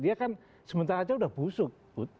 dia kan sementara aja udah busuk